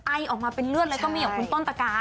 ไอออกมาเป็นเลือดเลยก็มีของคุณต้นตะกา